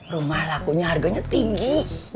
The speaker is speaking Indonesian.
rumah lakunya harganya tinggi